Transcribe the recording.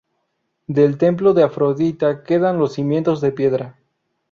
Del templo de Afrodita quedan los cimientos de piedra.